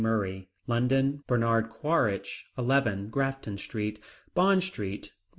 Murray, London, Bernard Quaritch, 11 Grafton Street, Bond Street, W.